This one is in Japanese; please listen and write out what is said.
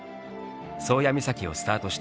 宗谷岬をスタートした